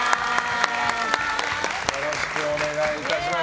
よろしくお願いします。